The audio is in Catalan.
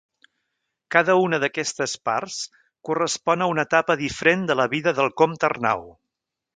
Cada una d'aquestes parts correspon a una etapa diferent de la vida del Comte Arnau.